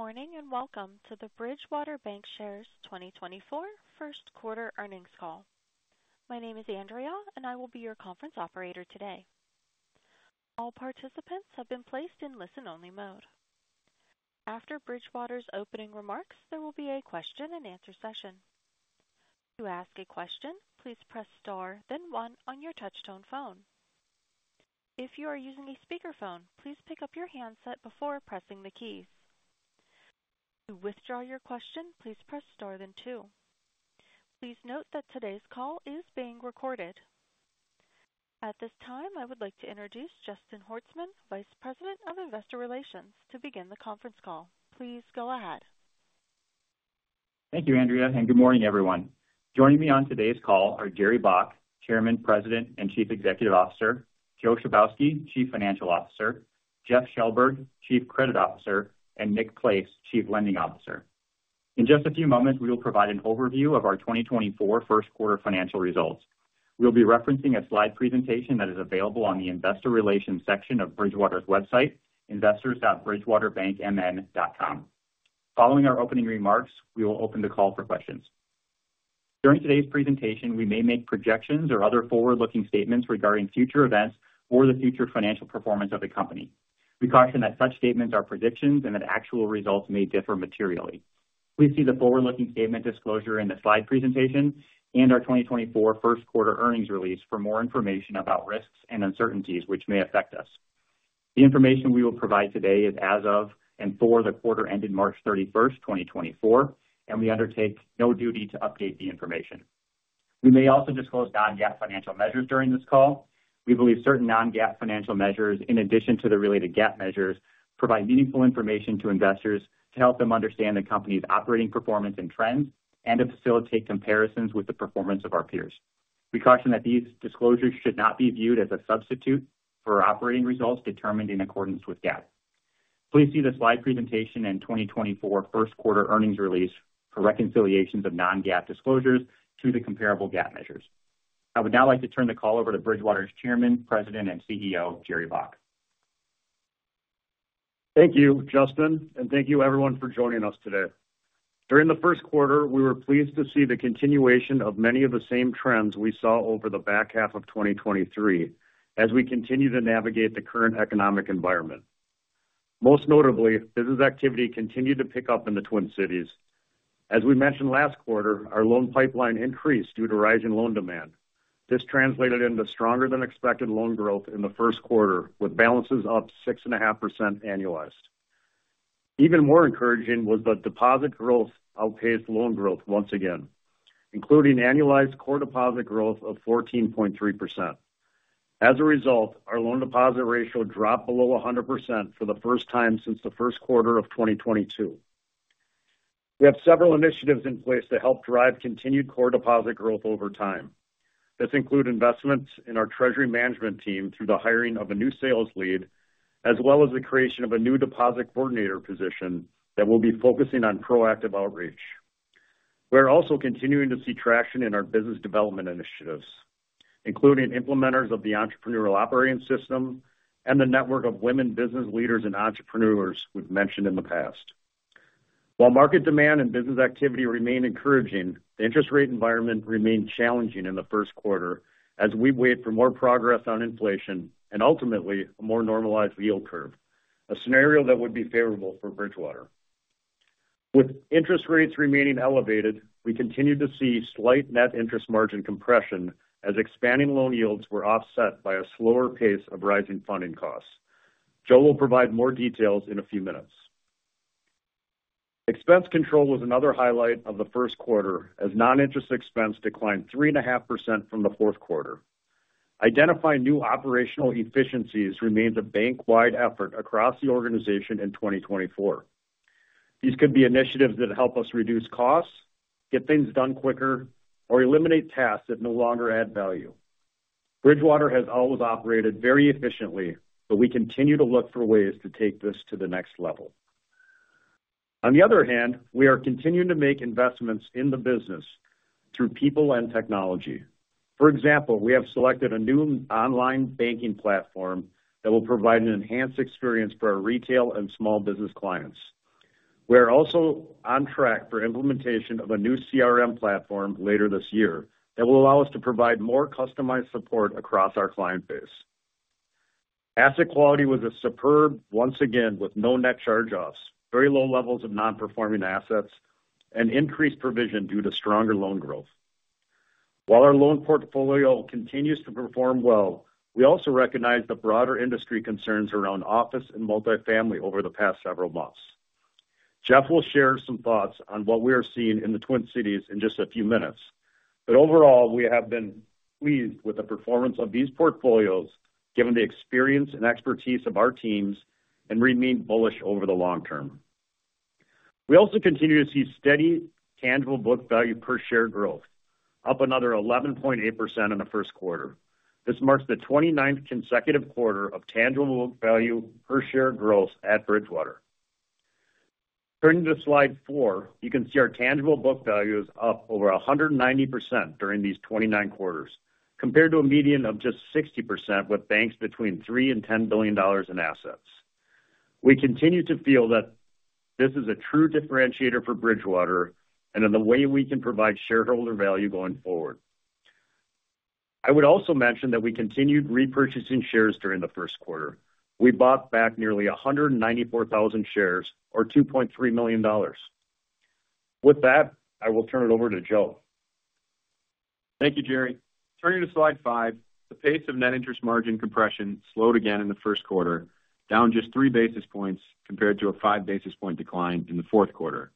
Good morning and welcome to the Bridgewater Bancshares 2024 first quarter earnings call. My name is Andrea and I will be your conference operator today. All participants have been placed in listen-only mode. After Bridgewater's opening remarks, there will be a question-and-answer session. To ask a question, please press star then one on your touch-tone phone. If you are using a speakerphone, please pick up your handset before pressing the keys. To withdraw your question, please press star then two. Please note that today's call is being recorded. At this time, I would like to introduce Justin Horstman, Vice President of Investor Relations, to begin the conference call. Please go ahead. Thank you, Andrea, and good morning, everyone. Joining me on today's call are Jerry Baack, Chairman, President, and Chief Executive Officer, Joe Chybowski, Chief Financial Officer, Jeff Shellberg, Chief Credit Officer, and Nick Place, Chief Lending Officer. In just a few moments, we will provide an overview of our 2024 first quarter financial results. We'll be referencing a slide presentation that is available on the Investor Relations section of Bridgewater's website, investors.bridgewaterbankmn.com. Following our opening remarks, we will open the call for questions. During today's presentation, we may make projections or other forward-looking statements regarding future events or the future financial performance of the company. We caution that such statements are predictions and that actual results may differ materially. Please see the forward-looking statement disclosure in the slide presentation and our 2024 first quarter earnings release for more information about risks and uncertainties which may affect us. The information we will provide today is as of and for the quarter ended March 31st, 2024, and we undertake no duty to update the information. We may also disclose non-GAAP financial measures during this call. We believe certain non-GAAP financial measures, in addition to the related GAAP measures, provide meaningful information to investors to help them understand the company's operating performance and trends and to facilitate comparisons with the performance of our peers. We caution that these disclosures should not be viewed as a substitute for operating results determined in accordance with GAAP. Please see the slide presentation and 2024 first quarter earnings release for reconciliations of non-GAAP disclosures to the comparable GAAP measures. I would now like to turn the call over to Bridgewater's Chairman, President, and CEO, Jerry Baack. Thank you, Justin, and thank you, everyone, for joining us today. During the first quarter, we were pleased to see the continuation of many of the same trends we saw over the back half of 2023 as we continue to navigate the current economic environment. Most notably, business activity continued to pick up in the Twin Cities. As we mentioned last quarter, our loan pipeline increased due to rising loan demand. This translated into stronger-than-expected loan growth in the first quarter, with balances up 6.5% annualized. Even more encouraging was that deposit growth outpaced loan growth once again, including annualized core deposit growth of 14.3%. As a result, our loan deposit ratio dropped below 100% for the first time since the first quarter of 2022. We have several initiatives in place to help drive continued core deposit growth over time. This includes investments in our treasury management team through the hiring of a new sales lead, as well as the creation of a new deposit coordinator position that will be focusing on proactive outreach. We are also continuing to see traction in our business development initiatives, including implementers of the Entrepreneurial Operating System and the network of women business leaders and entrepreneurs we've mentioned in the past. While market demand and business activity remain encouraging, the interest rate environment remained challenging in the first quarter as we wait for more progress on inflation and ultimately a more normalized yield curve, a scenario that would be favorable for Bridgewater. With interest rates remaining elevated, we continue to see slight net interest margin compression as expanding loan yields were offset by a slower pace of rising funding costs. Joe will provide more details in a few minutes. Expense control was another highlight of the first quarter as non-interest expense declined 3.5% from the fourth quarter. Identifying new operational efficiencies remains a bank-wide effort across the organization in 2024. These could be initiatives that help us reduce costs, get things done quicker, or eliminate tasks that no longer add value. Bridgewater has always operated very efficiently, but we continue to look for ways to take this to the next level. On the other hand, we are continuing to make investments in the business through people and technology. For example, we have selected a new online banking platform that will provide an enhanced experience for our retail and small business clients. We are also on track for implementation of a new CRM platform later this year that will allow us to provide more customized support across our client base. Asset quality was superb once again, with no net charge-offs, very low levels of non-performing assets, and increased provision due to stronger loan growth. While our loan portfolio continues to perform well, we also recognize the broader industry concerns around office and multifamily over the past several months. Jeff will share some thoughts on what we are seeing in the Twin Cities in just a few minutes, but overall, we have been pleased with the performance of these portfolios given the experience and expertise of our teams and remain bullish over the long term. We also continue to see steady tangible book value per share growth, up another 11.8% in the first quarter. This marks the 29th consecutive quarter of tangible book value per share growth at Bridgewater. Turning to slide four, you can see our tangible book value is up over 190% during these 29 quarters, compared to a median of just 60% with banks between $3 billion-$10 billion in assets. We continue to feel that this is a true differentiator for Bridgewater and in the way we can provide shareholder value going forward. I would also mention that we continued repurchasing shares during the first quarter. We bought back nearly 194,000 shares, or $2.3 million. With that, I will turn it over to Joe. Thank you, Jerry. Turning to slide five, the pace of net interest margin compression slowed again in the first quarter, down just 3 basis points compared to a 5 basis point decline in the fourth quarter.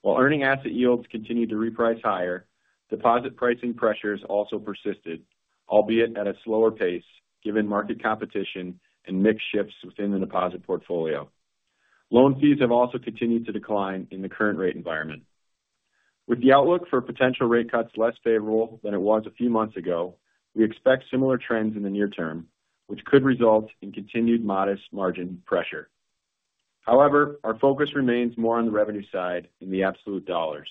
While earning asset yields continued to reprice higher, deposit pricing pressures also persisted, albeit at a slower pace given market competition and mix shifts within the deposit portfolio. Loan fees have also continued to decline in the current rate environment. With the outlook for potential rate cuts less favorable than it was a few months ago, we expect similar trends in the near term, which could result in continued modest margin pressure. However, our focus remains more on the revenue side in the absolute dollars.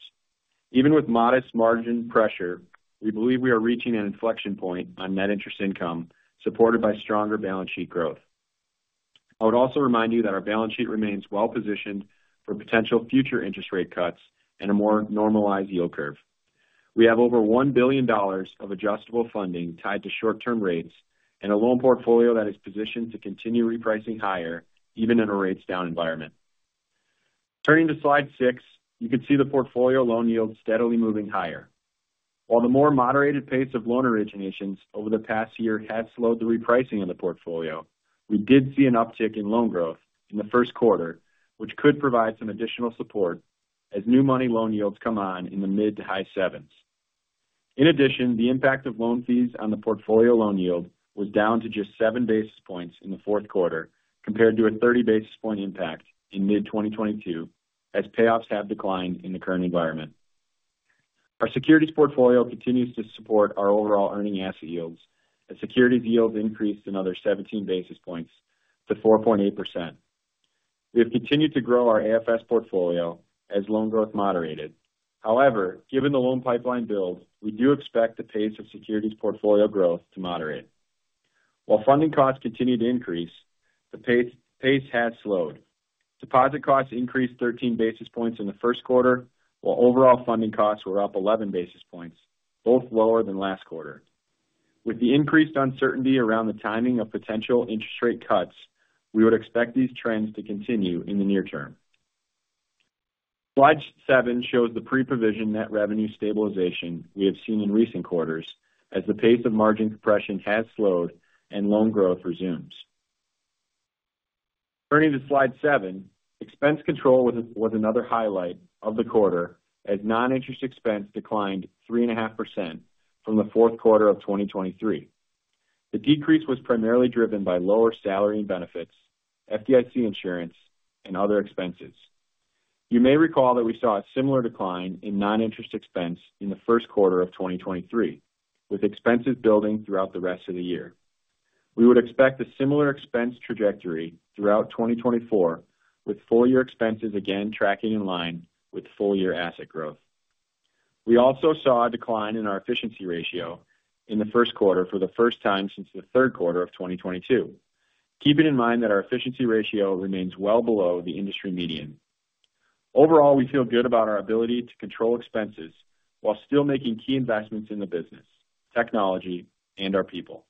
Even with modest margin pressure, we believe we are reaching an inflection point on net interest income supported by stronger balance sheet growth. I would also remind you that our balance sheet remains well-positioned for potential future interest rate cuts and a more normalized yield curve. We have over $1 billion of adjustable funding tied to short-term rates and a loan portfolio that is positioned to continue repricing higher even in a rates-down environment. Turning to slide six, you can see the portfolio loan yields steadily moving higher. While the more moderated pace of loan originations over the past year has slowed the repricing of the portfolio, we did see an uptick in loan growth in the first quarter, which could provide some additional support as new money loan yields come on in the mid- to high-7s. In addition, the impact of loan fees on the portfolio loan yield was down to just 7 basis points in the fourth quarter compared to a 30 basis point impact in mid-2022 as payoffs have declined in the current environment. Our securities portfolio continues to support our overall earning asset yields as securities yields increased another 17 basis points to 4.8%. We have continued to grow our AFS portfolio as loan growth moderated. However, given the loan pipeline build, we do expect the pace of securities portfolio growth to moderate. While funding costs continue to increase, the pace has slowed. Deposit costs increased 13 basis points in the first quarter, while overall funding costs were up 11 basis points, both lower than last quarter. With the increased uncertainty around the timing of potential interest rate cuts, we would expect these trends to continue in the near term. Slide seven shows the pre-provision net revenue stabilization we have seen in recent quarters as the pace of margin compression has slowed and loan growth resumes. Turning to slide seven, expense control was another highlight of the quarter as non-interest expense declined 3.5% from the fourth quarter of 2023. The decrease was primarily driven by lower salary and benefits, FDIC insurance, and other expenses. You may recall that we saw a similar decline in non-interest expense in the first quarter of 2023, with expenses building throughout the rest of the year. We would expect a similar expense trajectory throughout 2024, with full-year expenses again tracking in line with full-year asset growth. We also saw a decline in our efficiency ratio in the first quarter for the first time since the third quarter of 2022, keeping in mind that our efficiency ratio remains well below the industry median. Overall, we feel good about our ability to control expenses while still making key investments in the business, technology, and our people.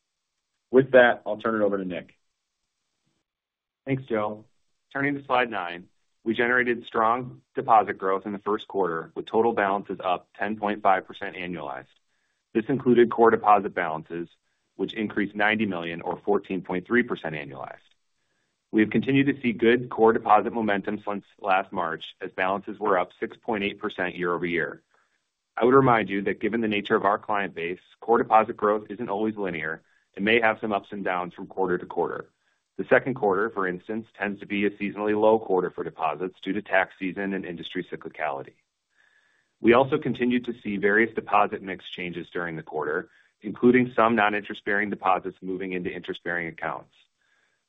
With that, I'll turn it over to Nick. Thanks, Joe. Turning to slide nine, we generated strong deposit growth in the first quarter, with total balances up 10.5% annualized. This included core deposit balances, which increased $90 million, or 14.3% annualized. We have continued to see good core deposit momentum since last March as balances were up 6.8% year-over-year. I would remind you that given the nature of our client base, core deposit growth isn't always linear and may have some ups and downs from quarter to quarter. The second quarter, for instance, tends to be a seasonally low quarter for deposits due to tax season and industry cyclicality. We also continued to see various deposit mix changes during the quarter, including some non-interest bearing deposits moving into interest bearing accounts.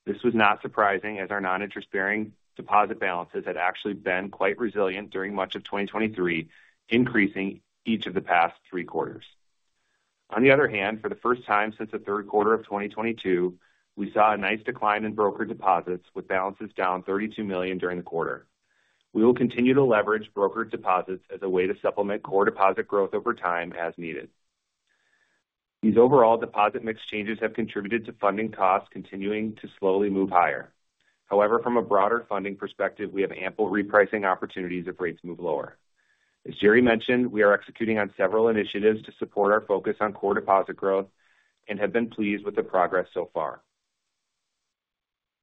This was not surprising as our non-interest bearing deposit balances had actually been quite resilient during much of 2023, increasing each of the past three quarters. On the other hand, for the first time since the third quarter of 2022, we saw a nice decline in brokered deposits, with balances down $32 million during the quarter. We will continue to leverage brokered deposits as a way to supplement core deposit growth over time as needed. These overall deposit mix changes have contributed to funding costs continuing to slowly move higher. However, from a broader funding perspective, we have ample repricing opportunities if rates move lower. As Jerry mentioned, we are executing on several initiatives to support our focus on core deposit growth and have been pleased with the progress so far.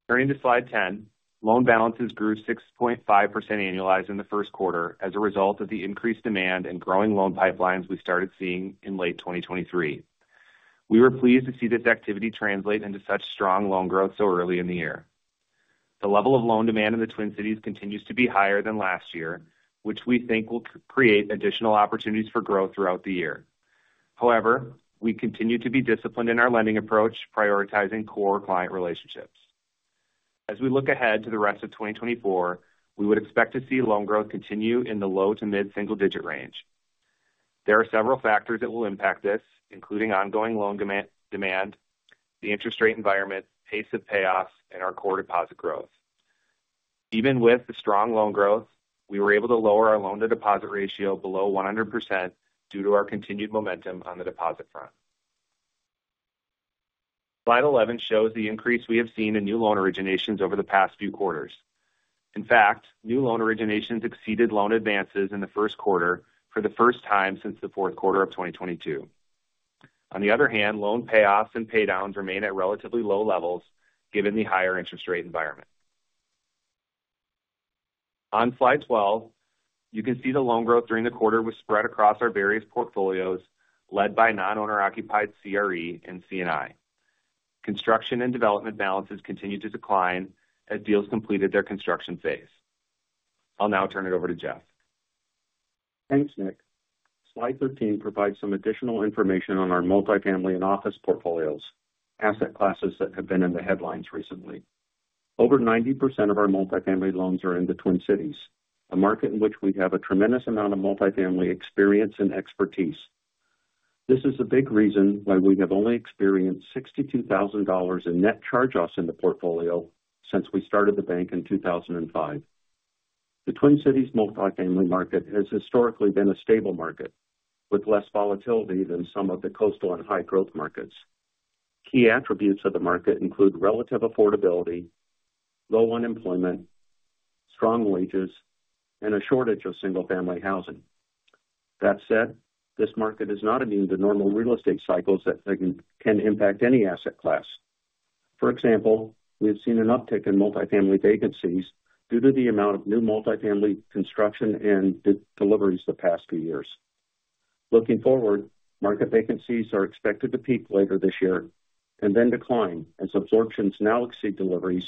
Turning to slide 10, loan balances grew 6.5% annualized in the first quarter as a result of the increased demand and growing loan pipelines we started seeing in late 2023. We were pleased to see this activity translate into such strong loan growth so early in the year. The level of loan demand in the Twin Cities continues to be higher than last year, which we think will create additional opportunities for growth throughout the year. However, we continue to be disciplined in our lending approach, prioritizing core client relationships. As we look ahead to the rest of 2024, we would expect to see loan growth continue in the low to mid-single digit range. There are several factors that will impact this, including ongoing loan demand, the interest rate environment, pace of payoffs, and our core deposit growth. Even with the strong loan growth, we were able to lower our loan-to-deposit ratio below 100% due to our continued momentum on the deposit front. Slide 11 shows the increase we have seen in new loan originations over the past few quarters. In fact, new loan originations exceeded loan advances in the first quarter for the first time since the fourth quarter of 2022. On the other hand, loan payoffs and paydowns remain at relatively low levels given the higher interest rate environment. On slide 12, you can see the loan growth during the quarter was spread across our various portfolios, led by non-owner-occupied CRE and C&I. Construction and development balances continued to decline as deals completed their construction phase. I'll now turn it over to Jeff. Thanks, Nick. Slide 13 provides some additional information on our multifamily and office portfolios, asset classes that have been in the headlines recently. Over 90% of our multifamily loans are in the Twin Cities, a market in which we have a tremendous amount of multifamily experience and expertise. This is a big reason why we have only experienced $62,000 in net charge-offs in the portfolio since we started the bank in 2005. The Twin Cities multifamily market has historically been a stable market, with less volatility than some of the coastal and high-growth markets. Key attributes of the market include relative affordability, low unemployment, strong wages, and a shortage of single-family housing. That said, this market is not immune to normal real estate cycles that can impact any asset class. For example, we have seen an uptick in multifamily vacancies due to the amount of new multifamily construction and deliveries the past few years. Looking forward, market vacancies are expected to peak later this year and then decline as absorptions now exceed deliveries,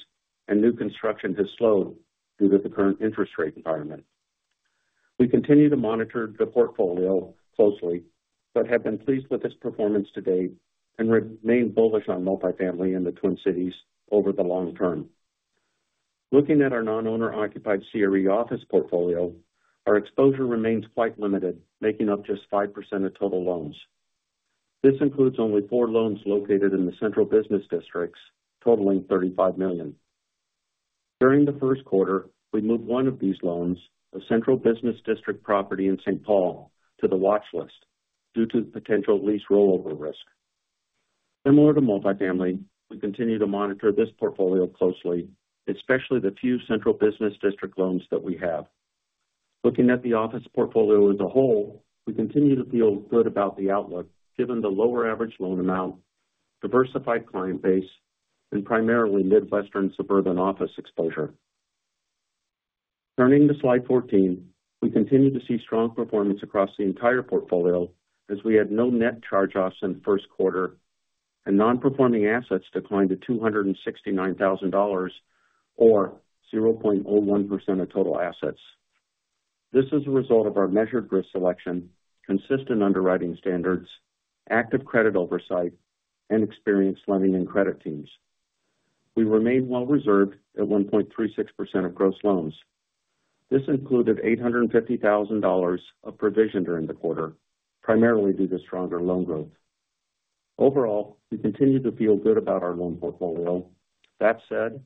and new construction has slowed due to the current interest rate environment. We continue to monitor the portfolio closely but have been pleased with its performance to date and remain bullish on multifamily in the Twin Cities over the long term. Looking at our non-owner-occupied CRE office portfolio, our exposure remains quite limited, making up just 5% of total loans. This includes only four loans located in the central business districts, totaling $35 million. During the first quarter, we moved one of these loans, a central business district property in St. Paul, to the watchlist due to potential lease rollover risk. Similar to multifamily, we continue to monitor this portfolio closely, especially the few central business district loans that we have. Looking at the office portfolio as a whole, we continue to feel good about the outlook given the lower average loan amount, diversified client base, and primarily Midwestern suburban office exposure. Turning to slide 14, we continue to see strong performance across the entire portfolio as we had no net charge-offs in the first quarter and non-performing assets declined to $269,000 or 0.01% of total assets. This is a result of our measured risk selection, consistent underwriting standards, active credit oversight, and experienced lending and credit teams. We remain well-reserved at 1.36% of gross loans. This included $850,000 of provision during the quarter, primarily due to stronger loan growth. Overall, we continue to feel good about our loan portfolio. That said,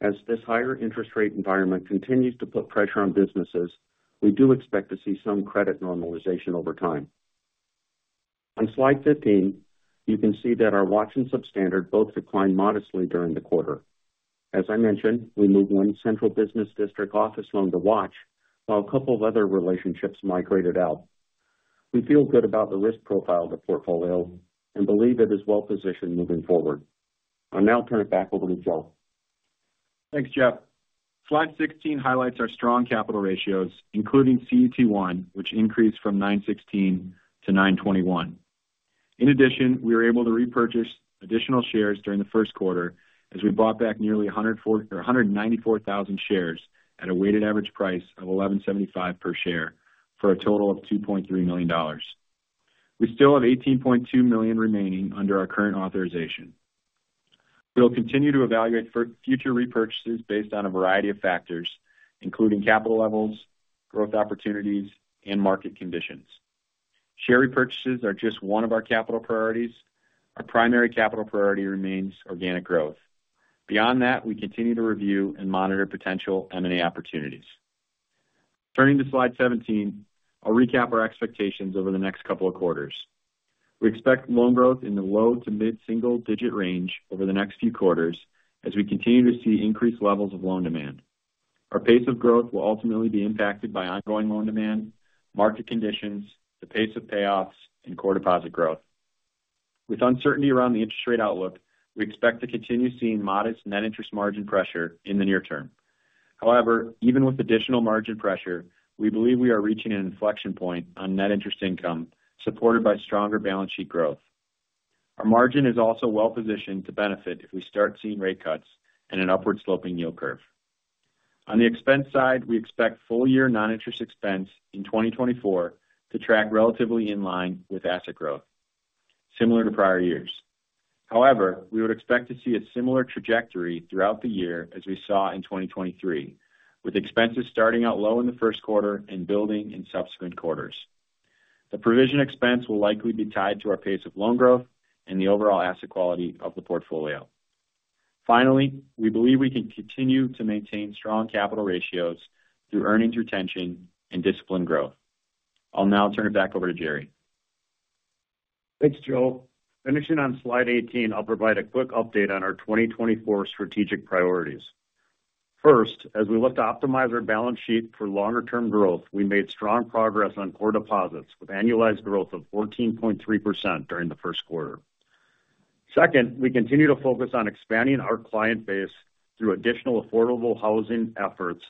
as this higher interest rate environment continues to put pressure on businesses, we do expect to see some credit normalization over time. On slide 15, you can see that our Watch and Substandard both declined modestly during the quarter. As I mentioned, we moved one central business district office loan to Watch while a couple of other relationships migrated out. We feel good about the risk profile of the portfolio and believe it is well-positioned moving forward. I'll now turn it back over to Joe. Thanks, Jeff. Slide 16 highlights our strong capital ratios, including CET1, which increased from 916 to 921. In addition, we were able to repurchase additional shares during the first quarter as we bought back nearly 194,000 shares at a weighted average price of $1,175 per share for a total of $2.3 million. We still have 18.2 million remaining under our current authorization. We will continue to evaluate future repurchases based on a variety of factors, including capital levels, growth opportunities, and market conditions. Share repurchases are just one of our capital priorities. Our primary capital priority remains organic growth. Beyond that, we continue to review and monitor potential M&A opportunities. Turning to slide 17, I'll recap our expectations over the next couple of quarters. We expect loan growth in the low to mid-single digit range over the next few quarters as we continue to see increased levels of loan demand. Our pace of growth will ultimately be impacted by ongoing loan demand, market conditions, the pace of payoffs, and core deposit growth. With uncertainty around the interest rate outlook, we expect to continue seeing modest net interest margin pressure in the near term. However, even with additional margin pressure, we believe we are reaching an inflection point on net interest income supported by stronger balance sheet growth. Our margin is also well-positioned to benefit if we start seeing rate cuts and an upward-sloping yield curve. On the expense side, we expect full-year non-interest expense in 2024 to track relatively in line with asset growth, similar to prior years. However, we would expect to see a similar trajectory throughout the year as we saw in 2023, with expenses starting out low in the first quarter and building in subsequent quarters. The provision expense will likely be tied to our pace of loan growth and the overall asset quality of the portfolio. Finally, we believe we can continue to maintain strong capital ratios through earnings retention and disciplined growth. I'll now turn it back over to Jerry. Thanks, Joe. Finishing on slide 18, I'll provide a quick update on our 2024 strategic priorities. First, as we look to optimize our balance sheet for longer-term growth, we made strong progress on core deposits with annualized growth of 14.3% during the first quarter. Second, we continue to focus on expanding our client base through additional affordable housing efforts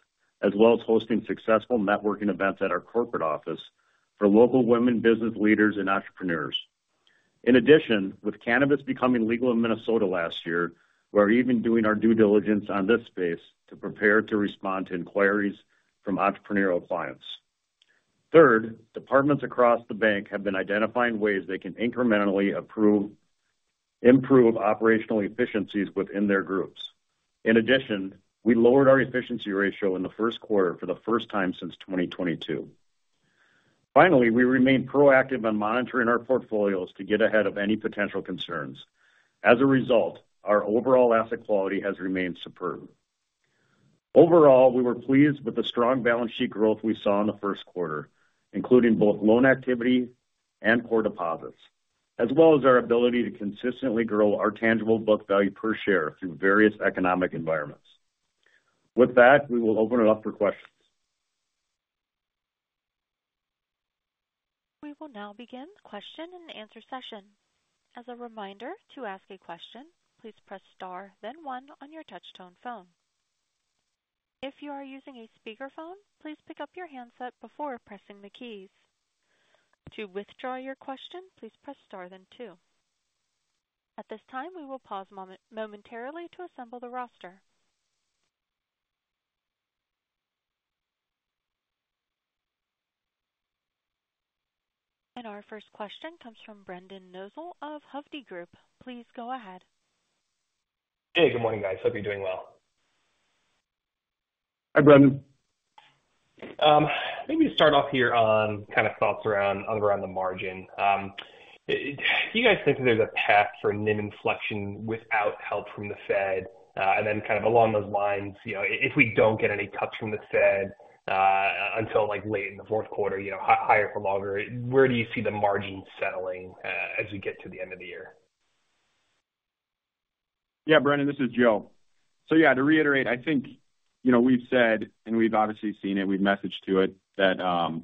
as well as hosting successful networking events at our corporate office for local women business leaders and entrepreneurs. In addition, with cannabis becoming legal in Minnesota last year, we are even doing our due diligence on this space to prepare to respond to inquiries from entrepreneurial clients. Third, departments across the bank have been identifying ways they can incrementally improve operational efficiencies within their groups. In addition, we lowered our efficiency ratio in the first quarter for the first time since 2022. Finally, we remain proactive in monitoring our portfolios to get ahead of any potential concerns. As a result, our overall asset quality has remained superb. Overall, we were pleased with the strong balance sheet growth we saw in the first quarter, including both loan activity and core deposits, as well as our ability to consistently grow our tangible book value per share through various economic environments. With that, we will open it up for questions. We will now begin the question and answer session. As a reminder, to ask a question, please press star, then one, on your touch-tone phone. If you are using a speakerphone, please pick up your handset before pressing the keys. To withdraw your question, please press star, then two. At this time, we will pause momentarily to assemble the roster. Our first question comes from Brendan Nosal of Hovde Group. Please go ahead. Hey, good morning, guys. Hope you're doing well. Hi, Brendan. Maybe start off here on kind of thoughts around the margin. Do you guys think that there's a path for NIM inflection without help from the Fed? And then kind of along those lines, if we don't get any cuts from the Fed until late in the fourth quarter, higher for longer, where do you see the margin settling as we get to the end of the year? Yeah, Brendan, this is Joe. So yeah, to reiterate, I think we've said, and we've obviously seen it, we've messaged to it, that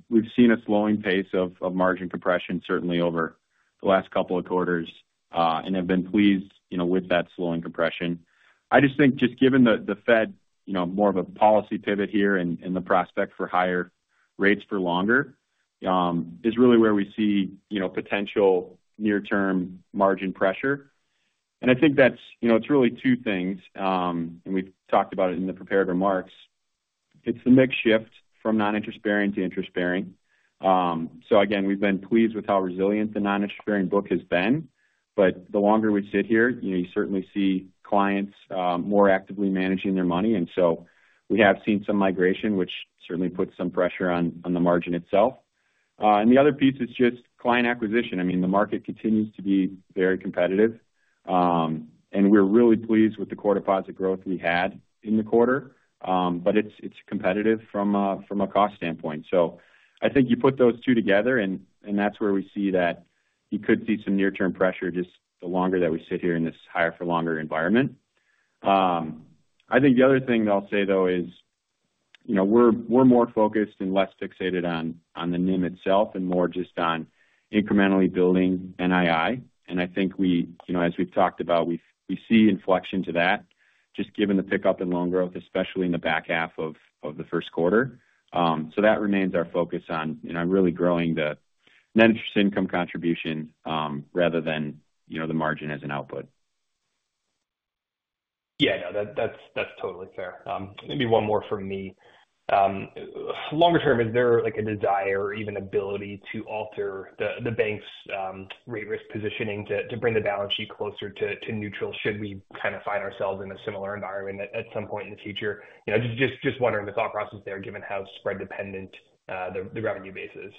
we've seen a slowing pace of margin compression, certainly over the last couple of quarters, and have been pleased with that slowing compression. I just think just given the Fed more of a policy pivot here and the prospect for higher rates for longer is really where we see potential near-term margin pressure. And I think it's really two things, and we've talked about it in the prepared remarks. It's the mixed shift from non-interest bearing to interest bearing. So again, we've been pleased with how resilient the non-interest bearing book has been. But the longer we sit here, you certainly see clients more actively managing their money. And so we have seen some migration, which certainly puts some pressure on the margin itself. And the other piece is just client acquisition. I mean, the market continues to be very competitive. And we're really pleased with the core deposit growth we had in the quarter, but it's competitive from a cost standpoint. So I think you put those two together, and that's where we see that you could see some near-term pressure just the longer that we sit here in this higher-for-longer environment. I think the other thing I'll say, though, is we're more focused and less fixated on the NIM itself and more just on incrementally building NII. And I think, as we've talked about, we see inflection to that just given the pickup in loan growth, especially in the back half of the first quarter. So that remains our focus on really growing the net interest income contribution rather than the margin as an output. Yeah, no, that's totally fair. Maybe one more from me. Longer term, is there a desire or even ability to alter the bank's rate-risk positioning to bring the balance sheet closer to neutral should we kind of find ourselves in a similar environment at some point in the future? Just wondering the thought process there given how spread-dependent the revenue base is.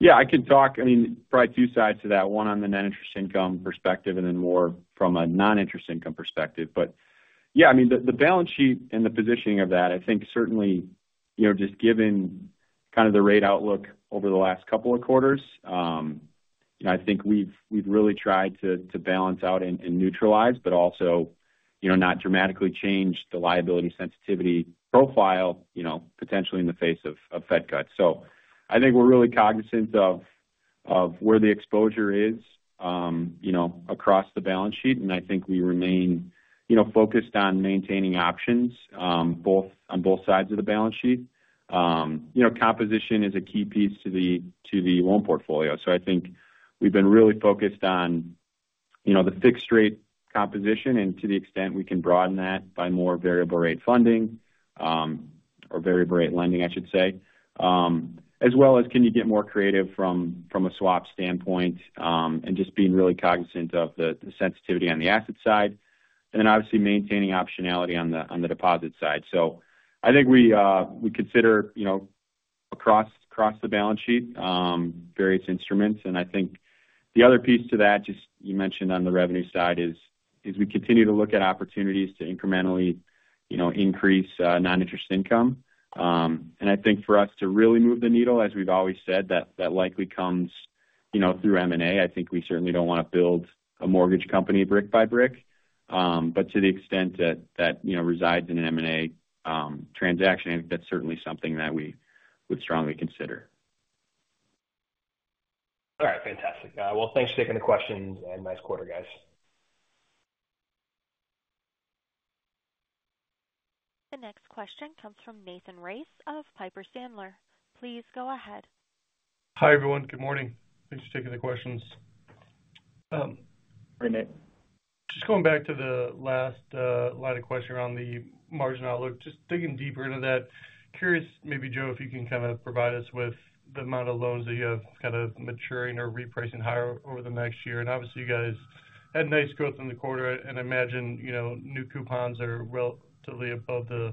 Yeah, I can talk. I mean, probably two sides to that, one on the net interest income perspective and then more from a non-interest income perspective. But yeah, I mean, the balance sheet and the positioning of that, I think certainly just given kind of the rate outlook over the last couple of quarters, I think we've really tried to balance out and neutralize but also not dramatically change the liability sensitivity profile potentially in the face of Fed cuts. So I think we're really cognizant of where the exposure is across the balance sheet, and I think we remain focused on maintaining options on both sides of the balance sheet. Composition is a key piece to the loan portfolio. So I think we've been really focused on the fixed-rate composition and to the extent we can broaden that by more variable-rate funding or variable-rate lending, I should say, as well as can you get more creative from a swap standpoint and just being really cognizant of the sensitivity on the asset side and then obviously maintaining optionality on the deposit side. So I think we consider across the balance sheet various instruments. And I think the other piece to that, just you mentioned on the revenue side, is we continue to look at opportunities to incrementally increase non-interest income. And I think for us to really move the needle, as we've always said, that likely comes through M&A. I think we certainly don't want to build a mortgage company brick by brick. But to the extent that resides in an M&A transaction, I think that's certainly something that we would strongly consider. All right. Fantastic. Well, thanks for taking the questions, and nice quarter, guys. The next question comes from Nathan Race of Piper Sandler. Please go ahead. Hi, everyone. Good morning. Thanks for taking the questions. Hi, Nate. Just going back to the last line of question around the margin outlook, just digging deeper into that, curious maybe, Joe, if you can kind of provide us with the amount of loans that you have kind of maturing or repricing higher over the next year? And obviously, you guys had nice growth in the quarter, and I imagine new coupons are relatively above the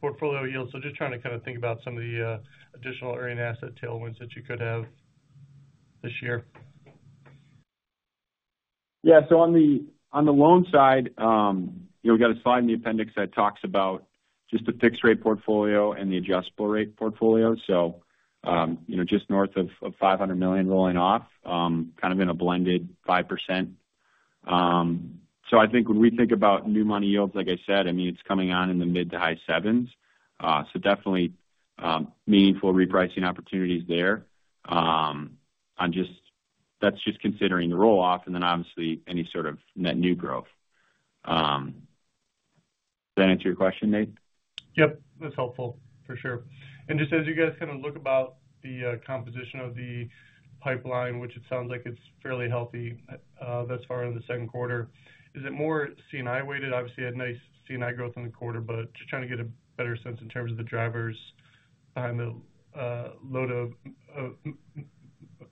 portfolio yield. So just trying to kind of think about some of the additional earning asset tailwinds that you could have this year. Yeah. So on the loan side, we got a slide in the appendix that talks about just the fixed-rate portfolio and the adjustable-rate portfolio. So just north of $500 million rolling off, kind of in a blended 5%. So I think when we think about new money yields, like I said, I mean, it's coming on in the mid to high 7s. So definitely meaningful repricing opportunities there. That's just considering the roll-off and then obviously any sort of net new growth. Does that answer your question, Nate? Yep, that's helpful, for sure. Just as you guys kind of look about the composition of the pipeline, which it sounds like it's fairly healthy thus far in the second quarter, is it more C&I-weighted? Obviously, you had nice C&I growth in the quarter, but just trying to get a better sense in terms of the drivers behind the low end of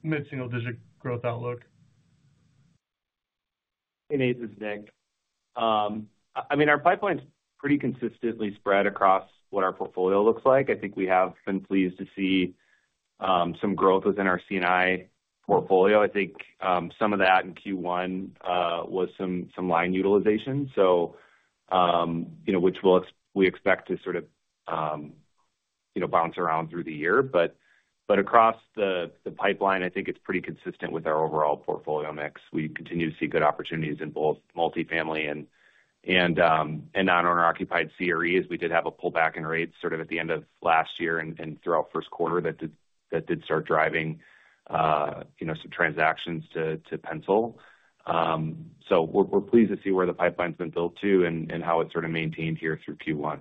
mid-single-digit growth outlook. Hey, Nate. This is Nick. I mean, our pipeline's pretty consistently spread across what our portfolio looks like. I think we have been pleased to see some growth within our C&I portfolio. I think some of that in Q1 was some line utilization, which we expect to sort of bounce around through the year. But across the pipeline, I think it's pretty consistent with our overall portfolio mix. We continue to see good opportunities in both multifamily and non-owner-occupied CREs. We did have a pullback in rates sort of at the end of last year and throughout first quarter that did start driving some transactions to pencil. So we're pleased to see where the pipeline's been built to and how it's sort of maintained here through Q1.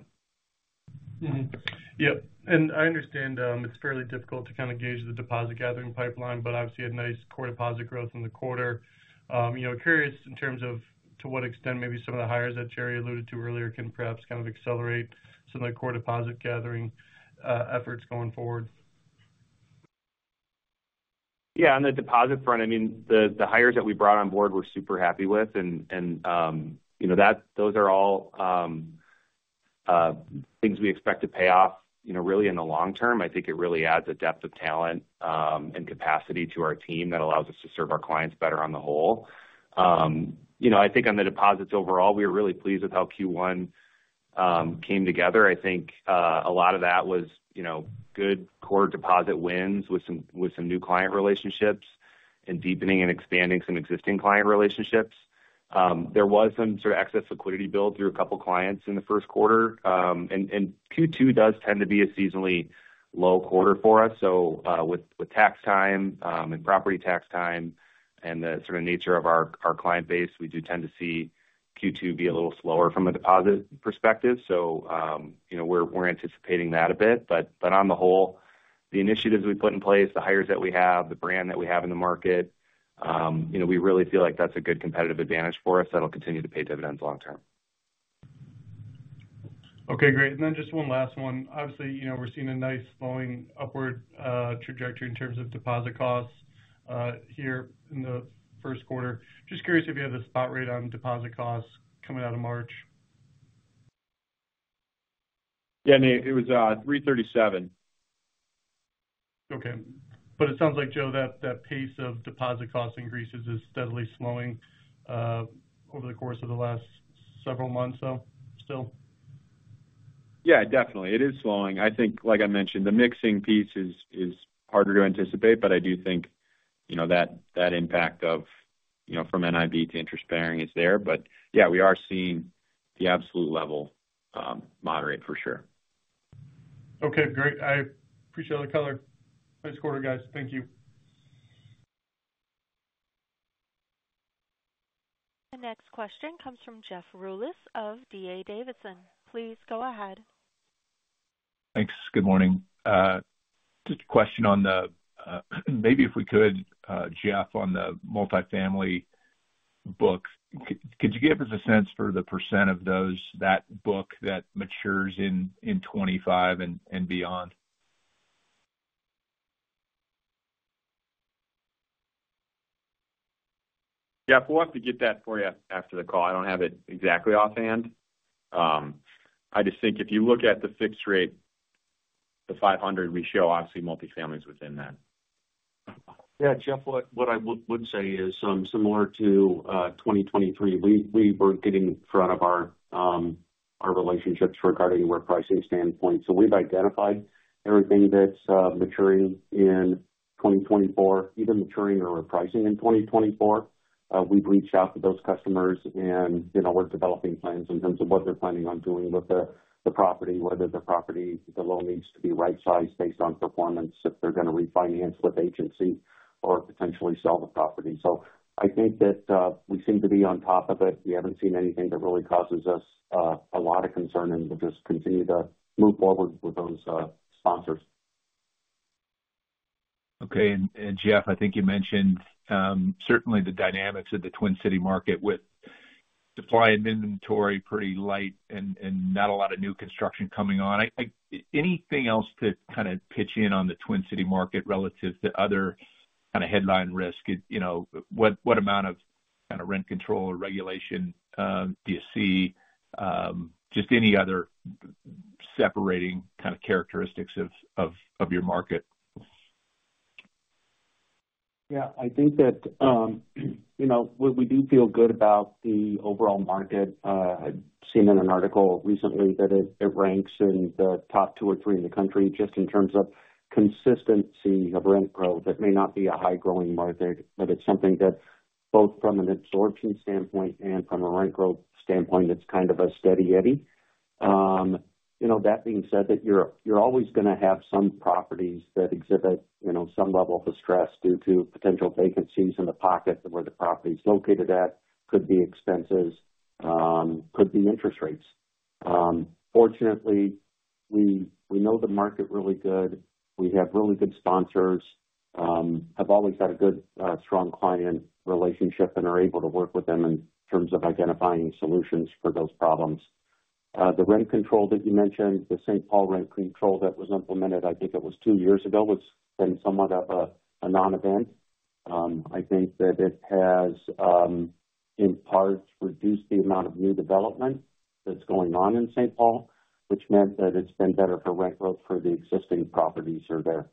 Yep. And I understand it's fairly difficult to kind of gauge the deposit gathering pipeline, but obviously, you had nice core deposit growth in the quarter. Curious in terms of to what extent maybe some of the hires that Jerry alluded to earlier can perhaps kind of accelerate some of the core deposit gathering efforts going forward. Yeah, on the deposit front, I mean, the hires that we brought on board were super happy with. And those are all things we expect to pay off really in the long term. I think it really adds a depth of talent and capacity to our team that allows us to serve our clients better on the whole. I think on the deposits overall, we were really pleased with how Q1 came together. I think a lot of that was good core deposit wins with some new client relationships and deepening and expanding some existing client relationships. There was some sort of excess liquidity build through a couple of clients in the first quarter. And Q2 does tend to be a seasonally low quarter for us. So with tax time and property tax time and the sort of nature of our client base, we do tend to see Q2 be a little slower from a deposit perspective. So we're anticipating that a bit. But on the whole, the initiatives we put in place, the hires that we have, the brand that we have in the market, we really feel like that's a good competitive advantage for us that'll continue to pay dividends long term. Okay, great. And then just one last one. Obviously, we're seeing a nice slowing upward trajectory in terms of deposit costs here in the first quarter. Just curious if you have the spot rate on deposit costs coming out of March? Yeah, Nate. It was 337. Okay. But it sounds like, Joe, that pace of deposit cost increases is steadily slowing over the course of the last several months or so still? Yeah, definitely. It is slowing. I think, like I mentioned, the mixing piece is harder to anticipate, but I do think that impact from NIB to interest bearing is there. But yeah, we are seeing the absolute level moderate, for sure. Okay, great. I appreciate all the color. Nice quarter, guys. Thank you. The next question comes from Jeff Rulis of D.A. Davidson. Please go ahead. Thanks. Good morning. Just a question on the maybe if we could, Jeff, on the multifamily book, could you give us a sense for the percent of that book that matures in 2025 and beyond? Yeah, I'll have to get that for you after the call. I don't have it exactly offhand. I just think if you look at the fixed rate, the 500, we show obviously multifamilies within that. Yeah, Jeff, what I would say is similar to 2023. We were getting in front of our relationships regarding repricing standpoint. So we've identified everything that's maturing in 2024, even maturing or repricing in 2024. We've reached out to those customers, and we're developing plans in terms of what they're planning on doing with the property, whether the loan needs to be right-sized based on performance, if they're going to refinance with agency, or potentially sell the property. So I think that we seem to be on top of it. We haven't seen anything that really causes us a lot of concern, and we'll just continue to move forward with those sponsors. Okay. And Jeff, I think you mentioned certainly the dynamics of the Twin Cities market with supply and inventory pretty light and not a lot of new construction coming on. Anything else to kind of pitch in on the Twin Cities market relative to other kind of headline risk? What amount of kind of rent control or regulation do you see? Just any other separating kind of characteristics of your market. Yeah, I think that what we do feel good about the overall market. I've seen in an article recently that it ranks in the top two or three in the country just in terms of consistency of rent growth. It may not be a high-growing market, but it's something that both from an absorption standpoint and from a rent growth standpoint, it's kind of a Steady Eddie. That being said, you're always going to have some properties that exhibit some level of stress due to potential vacancies in the pocket where the property's located at, could be expenses, could be interest rates. Fortunately, we know the market really good. We have really good sponsors, have always had a good, strong client relationship, and are able to work with them in terms of identifying solutions for those problems. The rent control that you mentioned, the St. Paul rent control that was implemented, I think it was two years ago, has been somewhat of a non-event. I think that it has in part reduced the amount of new development that's going on in St. Paul, which meant that it's been better for rent growth for the existing properties that are there.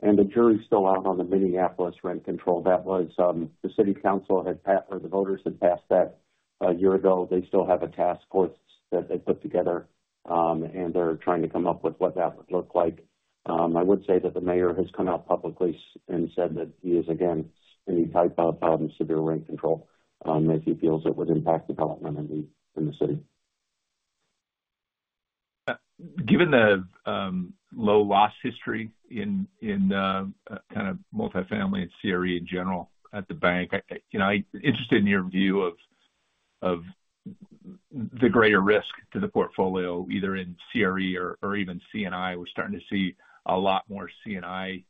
The jury's still out on the Minneapolis rent control. The city council had or the voters had passed that a year ago. They still have a task force that they put together, and they're trying to come up with what that would look like. I would say that the mayor has come out publicly and said that he is against any type of severe rent control if he feels it would impact development in the city. Given the low loss history in kind of multifamily and CRE in general at the bank, I'm interested in your view of the greater risk to the portfolio, either in CRE or even C&I. We're starting to see a lot more C&I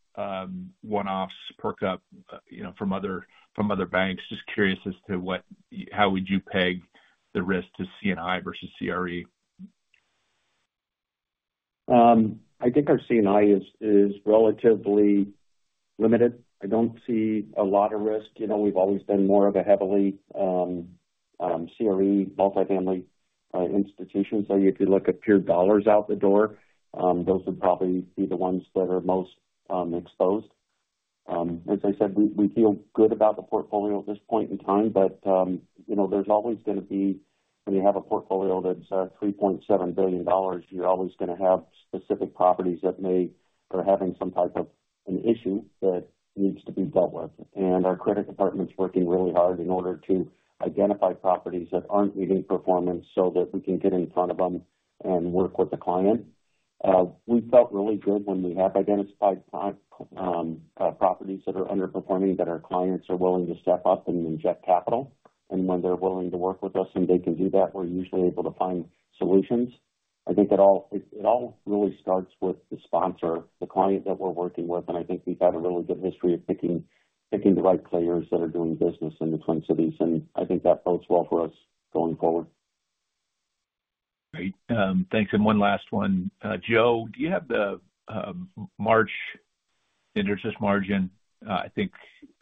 one-offs perk up from other banks. Just curious as to how would you peg the risk to C&I versus CRE? I think our C&I is relatively limited. I don't see a lot of risk. We've always been more of a heavily CRE multifamily institution. So if you look at pure dollars out the door, those would probably be the ones that are most exposed. As I said, we feel good about the portfolio at this point in time, but there's always going to be when you have a portfolio that's $3.7 billion, you're always going to have specific properties that may or are having some type of an issue that needs to be dealt with. And our credit department's working really hard in order to identify properties that aren't meeting performance so that we can get in front of them and work with the client. We felt really good when we have identified properties that are underperforming that our clients are willing to step up and inject capital. When they're willing to work with us and they can do that, we're usually able to find solutions. I think it all really starts with the sponsor, the client that we're working with. I think we've had a really good history of picking the right players that are doing business in the Twin Cities. I think that bodes well for us going forward. Great. Thanks. And one last one. Joe, do you have the March interest margin? I think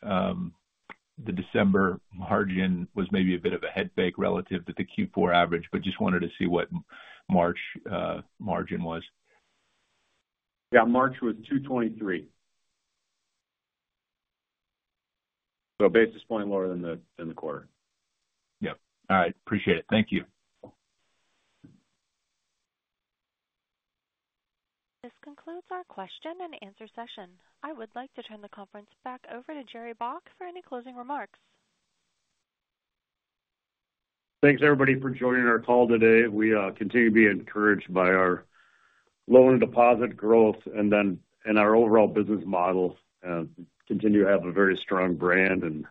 the December margin was maybe a bit of a headfake relative to the Q4 average, but just wanted to see what March margin was. Yeah, March was 223. So basis points lower than the quarter. Yep. All right. Appreciate it. Thank you. This concludes our question and answer session. I would like to turn the conference back over to Jerry Baack for any closing remarks. Thanks, everybody, for joining our call today. We continue to be encouraged by our loan and deposit growth and our overall business model and continue to have a very strong brand.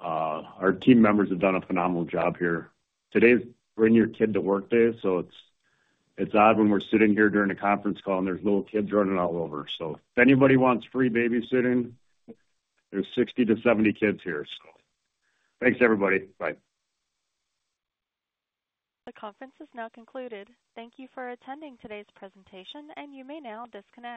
Our team members have done a phenomenal job here. Today's Bring Your Kid to Work Day, so it's odd when we're sitting here during a conference call and there's little kids running all over. So if anybody wants free babysitting, there's 60-70 kids here. So thanks, everybody. Bye. The conference is now concluded. Thank you for attending today's presentation, and you may now disconnect.